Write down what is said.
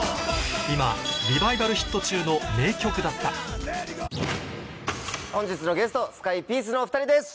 今リバイバルヒット中の名曲だった本日のゲストスカイピースのお２人です。